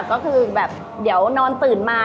พอลำหว่างตื่นมา